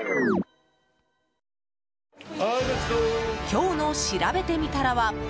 今日のしらベてみたらは。